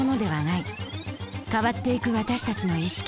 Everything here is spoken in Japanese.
変わっていく私たちの意識。